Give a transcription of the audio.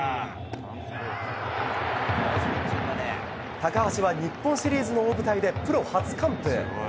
高橋は日本シリーズの大舞台でプロ初完封。